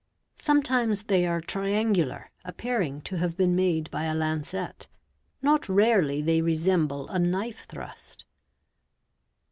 Sometimes they are triangular, — appearing to have been made by a lancet; not rarely they resemble a knife thrust.